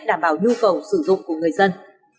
đảm bảo nhu cầu sử dụng của người dân